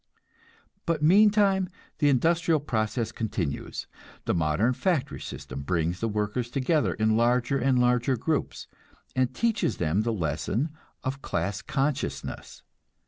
But meantime, the industrial process continues; the modern factory system brings the workers together in larger and larger groups, and teaches them the lesson of class consciousness.